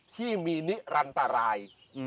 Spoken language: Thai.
ที่มีนิรันตราย